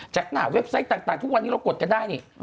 จากหน้าเว็บไซต์ต่างทุกวันนี้เรากดกันได้นี่